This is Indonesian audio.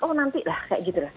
oh nanti lah kayak gitu lah